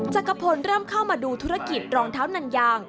จักรพลเริ่มเข้ามาดูธุรกิจรองเท้านันยาง